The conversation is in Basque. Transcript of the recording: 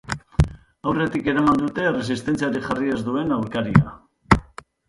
Aurretik eraman dute erresistentziarik jarri ez duen aurkaria.